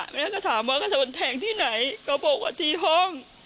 แม่ก็ถามว่าก็โดนแทงที่ไหนก็บอกว่าที่ห้อง